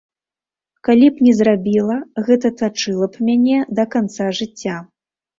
Калі б не зрабіла, гэта тачыла б мяне да канца жыцця.